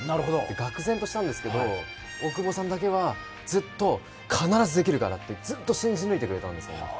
がく然としたんですけれども大久保さんだけはずっと必ずできるからってずっと信じ抜いてくれたんですよね。